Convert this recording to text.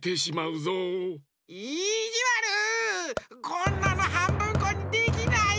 こんなのはんぶんこにできないよ！